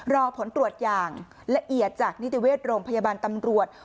รอผลตรวจอย่างละเอียดจากนิติเวชโรงพยาบาลตำรวจ